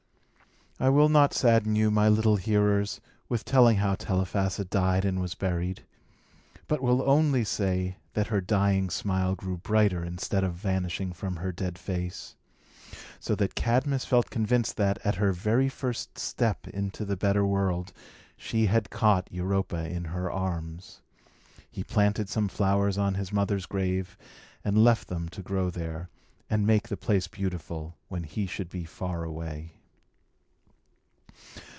I will not sadden you, my little hearers, with telling how Telephassa died and was buried, but will only say, that her dying smile grew brighter, instead of vanishing from her dead face; so that Cadmus felt convinced that, at her very first step into the better world, she had caught Europa in her arms. He planted some flowers on his mother's grave, and left them to grow there, and make the place beautiful, when he should be far away.